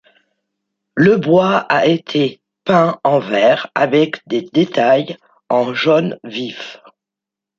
Le bois a été peint en vert avec des détails en jaune vif.